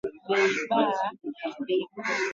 Banakatala kuba ripa juya bariiba kukampuni